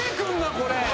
これ。